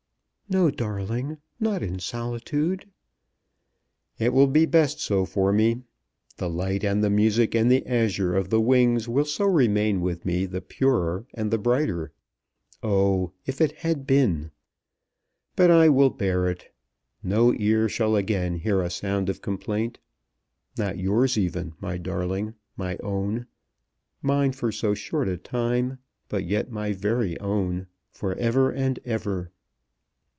"No, darling; not in solitude." "It will be best so for me. The light and the music and the azure of the wings will so remain with me the purer and the brighter. Oh, if it had been! But I will bear it. No ear shall again hear a sound of complaint. Not yours even, my darling, my own, mine for so short a time, but yet my very own for ever and ever."